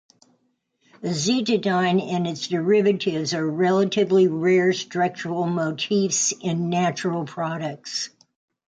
Azetidine and its derivatives are relatively rare structural motifs in natural products.